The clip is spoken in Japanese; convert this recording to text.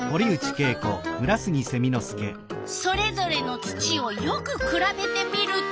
それぞれの土をよくくらべてみると。